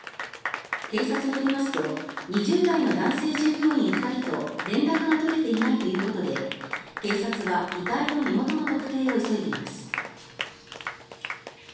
警察によりますと２０代の男性従業員２人と連絡が取れていないということで警察は遺体の身元の特定を急いでいます。